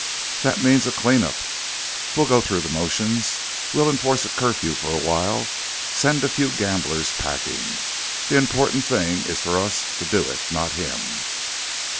"That means a clean up." "We'll go through the motions. We'll enforce a curfew for a while, send a few gamblers packing. The important thing is for us to do it, not him."